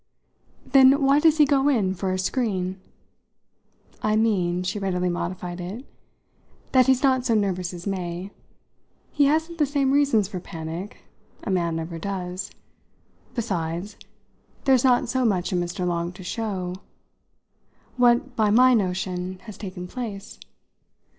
"Then why does he go in for a screen?" "I mean" she readily modified it "that he's not so nervous as May. He hasn't the same reasons for panic. A man never has. Besides, there's not so much in Mr. Long to show " "What, by my notion, has taken place?